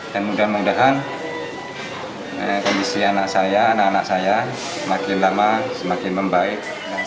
dan mudah mudahan kondisi anak saya anak anak saya semakin lama semakin membaik